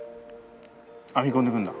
編み込んでいくんだ。